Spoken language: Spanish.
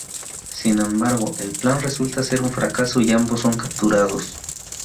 Sin embargo el plan resulta ser un fracaso y ambos son capturados.